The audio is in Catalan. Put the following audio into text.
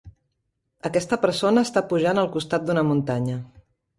Aquesta persona està pujant al costat d'una muntanya.